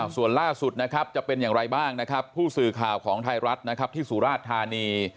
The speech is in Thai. ส่วนล่าสุดนะครับจะเป็นอย่างไรบ้างนะครับผู้สื่อข่าวของไทยรัฐนะครับที่สุราชธานี